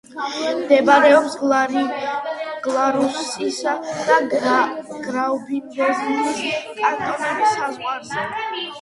მდებარეობს გლარუსისა და გრაუბიუნდენის კანტონების საზღვარზე.